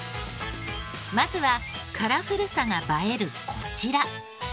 まずはカラフルさが映えるこちら。